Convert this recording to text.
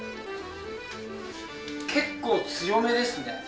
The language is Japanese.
結構強めですね。